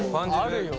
あるよ。